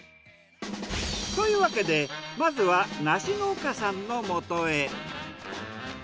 というわけでまずは梨農家さんのもとへ。